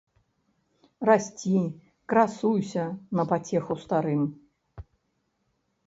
Расці, красуйся на пацеху старым.